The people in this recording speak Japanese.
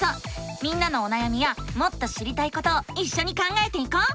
みんなのおなやみやもっと知りたいことをいっしょに考えていこう！